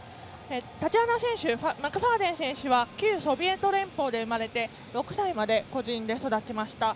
タチアナ・マクファーデン選手は旧ソビエト連邦で生まれて６歳まで孤児院で育ちました。